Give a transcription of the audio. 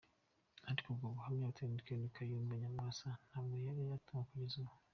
Ariko ubwo buhamya Lt Gen Kayumba Nyamwasa ntabwo yari yatanga kugeza n’ubu.